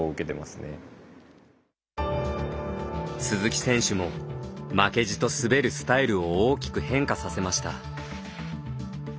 鈴木選手も負けじと滑るスタイルを大きく変化させました。